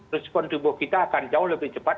respon tubuh kita akan jauh lebih cepat